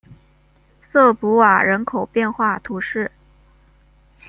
瑟普瓦人口变化图示